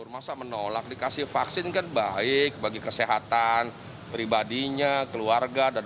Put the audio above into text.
masa menolak dikasih vaksin kan baik bagi kesehatan